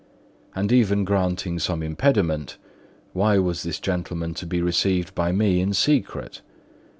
And even granting some impediment, why was this gentleman to be received by me in secret?